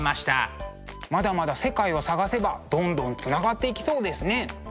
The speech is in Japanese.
まだまだ世界を探せばどんどんつながっていきそうですね。